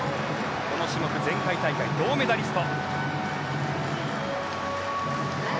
この種目前回大会銅メダリスト。